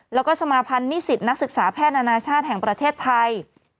แล้วก็สมาพันธ์นิสิตนักศึกษาแพทย์อนาชาติแห่งประเทศไทย